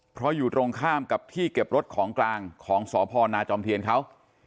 เพราะอยู่ตรงข้ามกับที่เก็บรถของกลางของสพนาจอมเทียนเขา